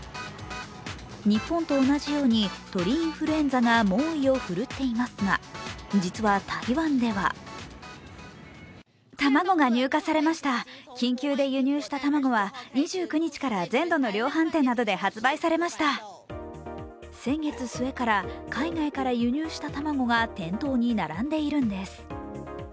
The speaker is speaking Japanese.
日本と同じように鳥インフルエンザが猛威を振るっていますが実は台湾では先月末から海外から輸入した卵が店頭に並んでいるんです。